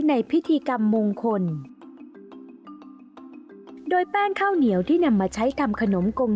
ในพิธีกรรมมงคลโดยแป้งข้าวเหนียวที่นำมาใช้ทำขนมกง